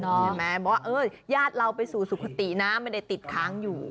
เห็นไหมบอกว่าญาติเราไปสู่สุขตินะไม่ได้ติดค้างอยู่